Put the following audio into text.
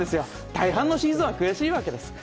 大半のシーズンは悔しいわけです。